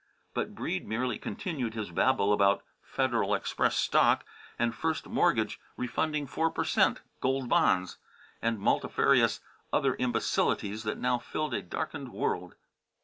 but Breede merely continued his babble about "Federal Express" stock, and "first mortgage refunding 4 per cent. gold bonds," and multifarious other imbecilities that now filled a darkened world.